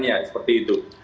ya seperti itu